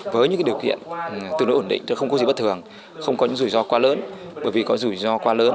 với những điều kiện tương đối ổn định không có gì bất thường không có những rủi ro quá lớn